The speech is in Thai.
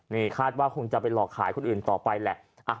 นี่คาดว่าคงจะไปหลอกขายคนอื่นต่อไปแหละ